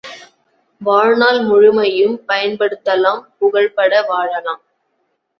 வாழ்நாள் முழுமையும், பயன்படுத்தலாம் புகழ்பட வாழலாம்.